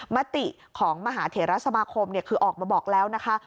มติของมหาเถระสมาคมคือออกมาบอกแล้วนะคะ